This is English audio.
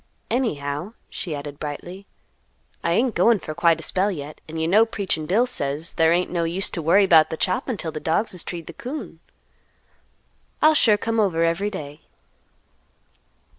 Any how," she added brightly, "I ain't goin' for quite a spell yet, and you know 'Preachin' Bill' says, 'There ain't no use to worry 'bout the choppin' 'til the dogs has treed the coon.' I'll sure come over every day."